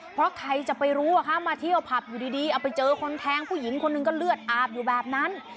เพราะใครจะไปรู้ว่ามาเที่ยวผับอยู่ดีเอาไปเจอคนแทงผู้หญิงคนหนึ่งก็เลือดอาบอยู่แบบนั้น